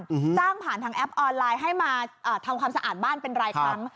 จ้างผ่านทางแอปออนไลน์ให้มาเอ่อทำความสะอาดบ้านเป็นรายครั้ง